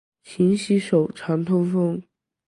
勤洗手，常通风。